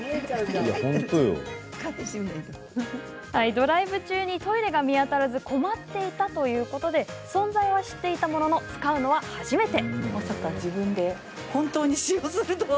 ドライブ中にトイレが見当たらず困っていたそうで存在は知っていたものの使うのは初めて。